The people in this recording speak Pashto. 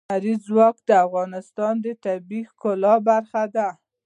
لمریز ځواک د افغانستان د طبیعت د ښکلا برخه ده.